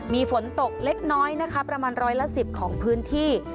มีฝนตกเล็กน้อยนะคะประมาณร้อยละ๑๐ของพื้นที่